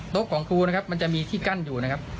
โต๊ะของครูมันจะมีที่กั้นอยู่นะครับ